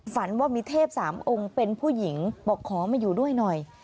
ฝันว่ามีเทพสามองค์เป็นผู้หญิงบอกขอมาอยู่ด้วยหน่อย